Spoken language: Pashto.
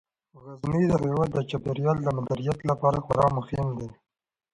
غزني د هیواد د چاپیریال د مدیریت لپاره خورا مهم دی.